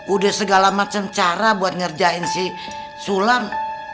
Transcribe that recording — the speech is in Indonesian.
udah segala macam cara buat ngerjain si sulam